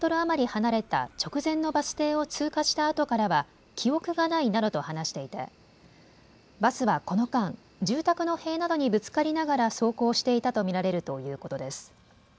離れた直前のバス停を通過したあとからは記憶がないなどと話していてバスはこの間、住宅の塀などにぶつかりながら走行していたと見られるということです。